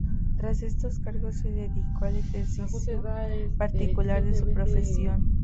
Tras estos cargos, se dedicó al ejercicio particular de su profesión.